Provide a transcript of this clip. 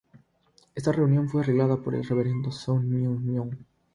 Esta unión fue arreglada por el Reverendo Sun Myung Moon.